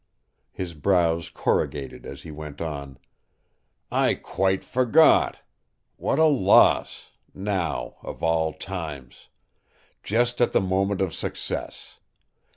His brows corrugated as he went on: "I quite forgot! What a loss! Now of all times! Just at the moment of success!